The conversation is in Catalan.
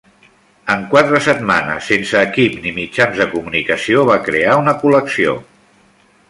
En quatre setmanes sense equip ni mitjans de comunicació, va crear una col·lecció.